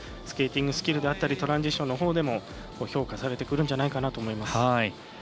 スケーティングスキルであったりトランジションのほうでも評価されてくるんじゃないかなと思います。